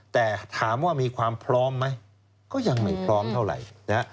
แต่ถามว่ามีความพร้อมไหมก็ยังไม่พร้อมเท่าไหร่นะฮะ